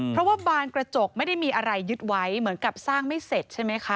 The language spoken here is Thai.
เพราะว่าบานกระจกไม่ได้มีอะไรยึดไว้เหมือนกับสร้างไม่เสร็จใช่ไหมคะ